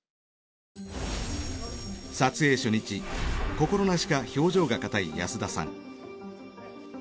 心なしか表情が硬い安田さん。